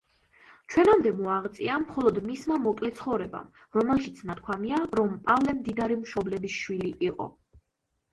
ჩვენამდე მოაღწია მხოლოდ მისმა მოკლე ცხოვრებამ, რომელშიც ნათქვამია, რომ პავლე მდიდარი მშობლების შვილი იყო.